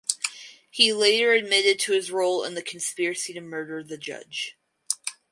He later admitted to his role in the conspiracy to murder the judge.